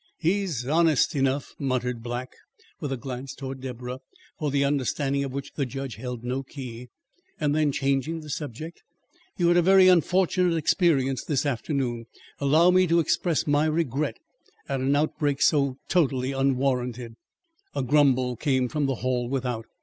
"He's honest enough," muttered Black, with a glance towards Deborah, for the understanding of which the judge held no key. Then, changing the subject, "You had a very unfortunate experience this afternoon. Allow me to express my regret at an outbreak so totally unwarranted." A grumble came from the hall without.